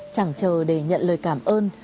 chẳng chờ để nhận lời cảm ơn